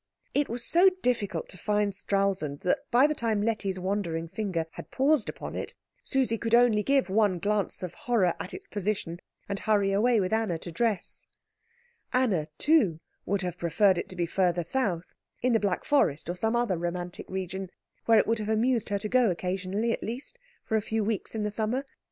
It was so difficult to find Stralsund that by the time Letty's wandering finger had paused upon it Susie could only give one glance of horror at its position, and hurry away with Anna to dress. Anna, too, would have preferred it to be farther south, in the Black Forest, or some other romantic region, where it would have amused her to go occasionally, at least, for a few weeks in the summer.